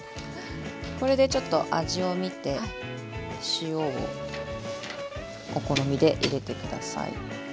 これでちょっと味を見て塩をお好みで入れて下さい。